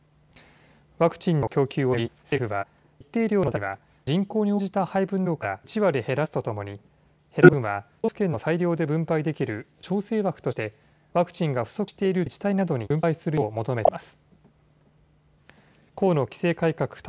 ワクチンの供給を巡り政府は、一定量の在庫があると見なした自治体には、人口に応じた配分の量から１割減らすとともに、減らした分は都道府県の裁量で分配できる調整枠として、ワクチンが不足している自治体などに分配するよう求めています。